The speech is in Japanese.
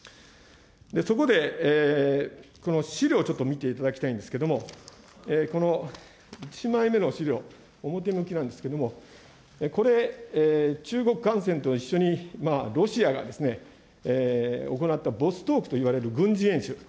そこで、資料をちょっと見ていただきたいんですけれども、この１枚目の資料、表向きなんですけれども、これ、中国艦船と一緒にロシアが行ったボストークといわれる軍事演習。